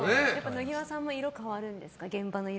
野際さんも色変わるんですか？